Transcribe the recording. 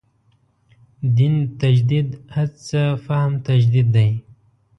دین تجدید هڅه فهم تجدید دی.